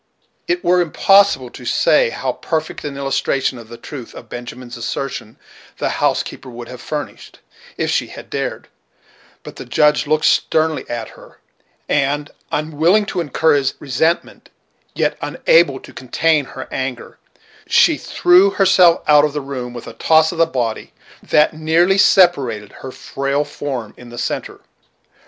It were impossible to say how perfect an illustration of the truth of Benjamin's assertion the housekeeper would have furnished, if she had dared; but the Judge looked sternly at her, and unwilling to incur his resentment, yet unable to contain her anger, she threw herself out of the room with a toss of the body that nearly separated her frail form in the centre.